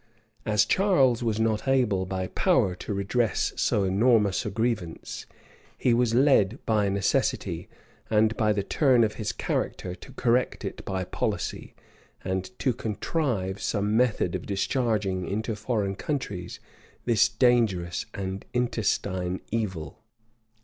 } As Charles was not able by power to redress so enormous a grievance, he was led by necessity, and by the turn of his character, to correct it by policy, and to contrive some method of discharging into foreign countries this dangerous and intestine evil.